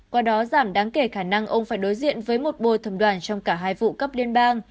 qua đó giảm đáng kể khả năng ông phải đối diện với một bồi thẩm đoàn trong cả hai vụ cấp liên bang